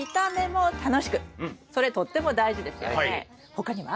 他には？